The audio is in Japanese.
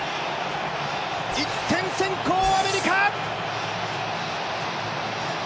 １点先行、アメリカ！